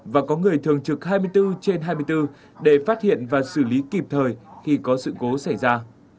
và có người thường trực hai mươi bốn trên hai mươi bốn để phát hiện và xử lý kịp thời khi có sự cố xảy ra